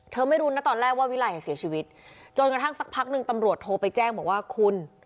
ไม่รู้นะตอนแรกว่าวิลัยเสียชีวิตจนกระทั่งสักพักหนึ่งตำรวจโทรไปแจ้งบอกว่าคุณ